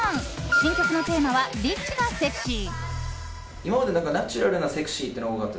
新曲のテーマはリッチなセクシー。